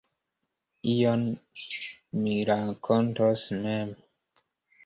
Ion mi rakontos mem.